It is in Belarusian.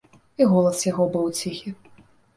І голас яго быў ціхі.